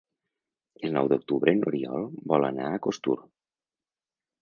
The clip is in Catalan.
El nou d'octubre n'Oriol vol anar a Costur.